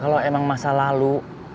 kalau emang masa lalu